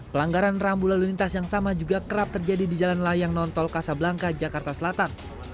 pelanggaran rambu lalu lintas yang sama juga kerap terjadi di jalan layang nontol kasablangka jakarta selatan